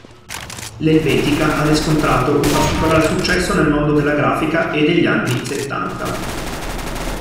L'Helvetica ha riscontrato un particolare successo nel mondo della grafica e degli anni settanta.